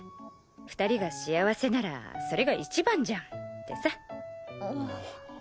２人が幸せならそれが一番じゃんってさ。